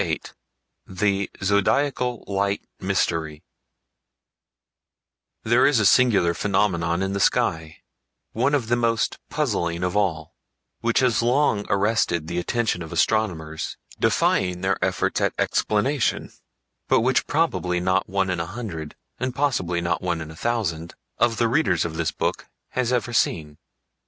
VIII The Zodiacal Light Mystery There is a singular phenomenon in the sky—one of the most puzzling of all—which has long arrested the attention of astronomers, defying their efforts at explanation, but which probably not one in a hundred, and possibly not one in a thousand, of the readers of this book has ever seen.